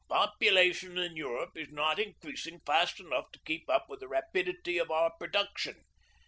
Population in Europe is not increasing fast enough to keep up with the rapidity of our production.